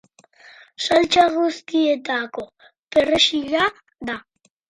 Saltsa guztietako perrexila da.